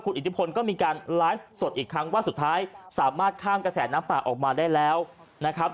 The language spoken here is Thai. อิทธิพลก็มีการไลฟ์สดอีกครั้งว่าสุดท้ายสามารถข้ามกระแสน้ำป่าออกมาได้แล้วนะครับ